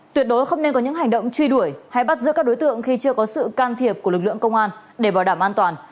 tuyệt đối không nên có những hành động truy đuổi hay bắt giữ các đối tượng khi chưa có sự can thiệp của lực lượng công an để bảo đảm an toàn